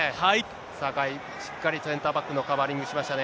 酒井、しっかりセンターバックのカバーリングしましたね。